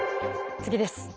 次です。